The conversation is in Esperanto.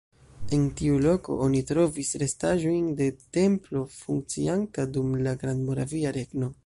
En tiu loko oni trovis restaĵojn de templo funkcianta dum la Grandmoravia Regno.